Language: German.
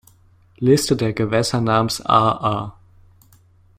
Liste der Gewässer namens Aa